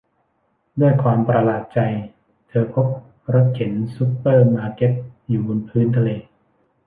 ด้วยความประหลาดใจเธอพบรถเข็นซุปเปอร์มาร์เก็ตอยู่บนพื้นทะเล